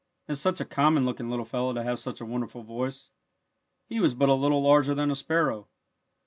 And such a common looking little fellow to have such a wonderful voice! He was but a little larger than a sparrow.